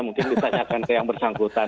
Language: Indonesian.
mungkin ditanyakan ke yang bersangkutan